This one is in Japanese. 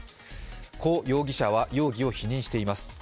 胡容疑者は容疑を否認しています。